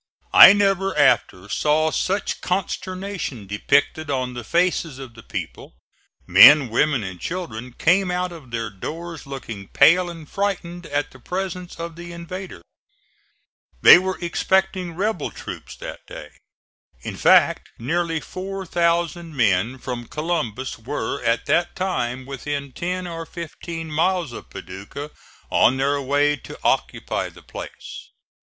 I never after saw such consternation depicted on the faces of the people. Men, women and children came out of their doors looking pale and frightened at the presence of the invader. They were expecting rebel troops that day. In fact, nearly four thousand men from Columbus were at that time within ten or fifteen miles of Paducah on their way to occupy the place.